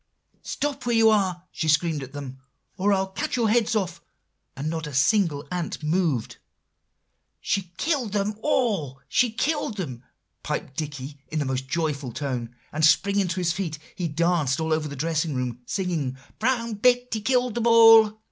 "'Stop where you are!' she screamed at them, 'or I'll cut your heads off!' and not a single ant moved." "She killed them all, she killed them!" piped Dicky in the most joyful tone; and springing to his feet he danced all over the dressing room, singing, "Brown Betty killed them all!"